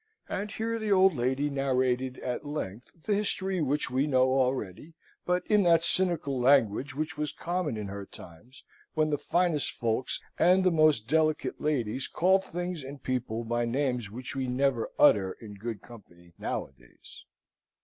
And here the old lady narrated at length the history which we know already, but in that cynical language which was common in her times, when the finest folks and the most delicate ladies called things and people by names which we never utter in good company nowadays.